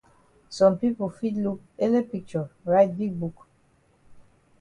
Some pipo fit look ele picture write big book.